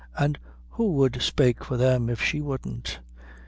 an' who would spake for them if she wouldn't.